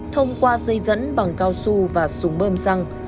thông qua dây dẫn bằng cao su và súng bơm xăng